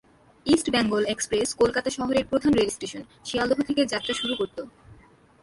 East Bengal Express Kolkata শহরের প্রধান rail station Sealdah থেকে যাত্রা শুরু করতো।